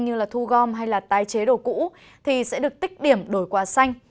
như là thu gom hay là tái chế đồ cũ thì sẽ được tích điểm đổi quà xanh